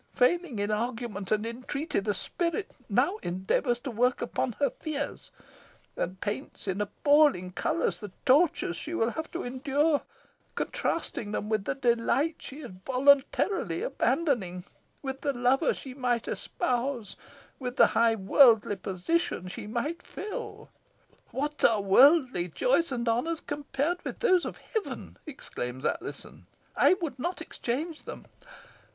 Failing in argument and entreaty, the spirit now endeavours to work upon her fears, and paints, in appalling colours, the tortures she will have to endure, contrasting them with the delight she is voluntarily abandoning, with the lover she might espouse, with the high worldly position she might fill. 'What are worldly joys and honours compared with those of heaven!' exclaims Alizon; 'I would not exchange them.'